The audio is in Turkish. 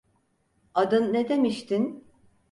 Adın ne demiştin?